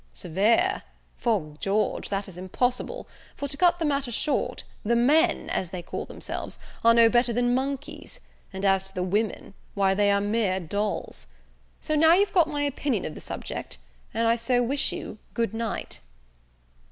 "Severe! 'fore George, that is impossible; for, to cut the matter short, the men, as they call themselves, are no better than monkeys; and as to the women, why they are mere dolls. So now you've got my opinion of this subject; and I so wish you good night."